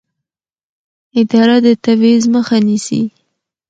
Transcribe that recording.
اداره د تبعیض مخه نیسي.